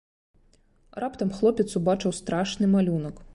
Раптам хлопец убачыў страшны малюнак.